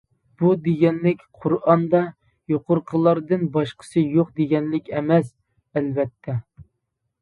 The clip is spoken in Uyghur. بۇ دېگەنلىك قۇرئاندا يۇقىرىقىلاردىن باشقىسى يوق دېگەنلىك ئەمەس، ئەلۋەتتە.